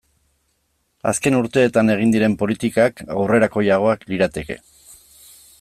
Azken urteetan egin diren politikak aurrerakoiagoak lirateke.